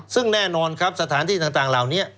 ซึ่งแน่นอนครับสถานที่ต่างเหล่านี้